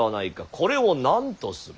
これを何とする。